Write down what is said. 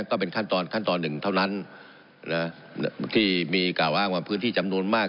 ก็เป็นขั้นตอนขั้นตอนหนึ่งเท่านั้นนะที่มีกล่าวอ้างว่าพื้นที่จำนวนมาก